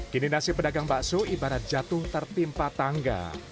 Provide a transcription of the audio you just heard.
kini nasib pedagang bakso ibarat jatuh tertimpa tangga